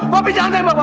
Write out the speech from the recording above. bobby jangan tembak bobby